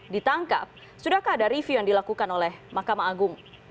ditangkap sudahkah ada review yang dilakukan oleh mahkamah agung